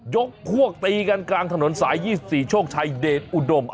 ยกพวกตีกันกลางถนนสาย๒๔โชคชัยเดชอุดม